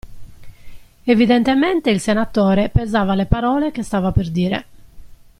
Evidentemente, il senatore pesava le parole che stava per dire.